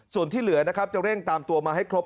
ส่วนที่เหลือนะครับจะเร่งตามตัวมาให้ครบ